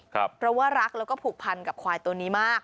เพราะว่ารักแล้วก็ผูกพันกับควายตัวนี้มาก